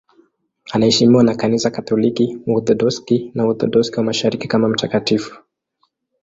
Anaheshimiwa na Kanisa Katoliki, Waorthodoksi na Waorthodoksi wa Mashariki kama mtakatifu.